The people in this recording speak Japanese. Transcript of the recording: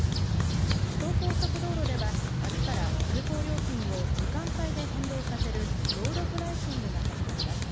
首都高速道路では明日から通行料金を時間帯で変動させるロードプライシングが始まります。